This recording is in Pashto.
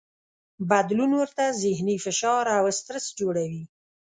بدلون ورته ذهني فشار او سټرس جوړوي.